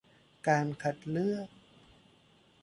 การคัดเลือก